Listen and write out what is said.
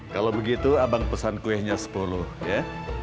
kalau begitu abang pesan kuenya sepuluh ya